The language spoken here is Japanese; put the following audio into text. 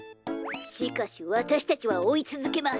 しかしわたしたちはおいつづけます。